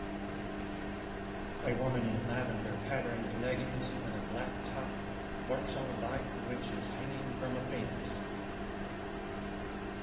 A woman in lavenderpatterned leggings and a black top works on a bike which is hanging from a fence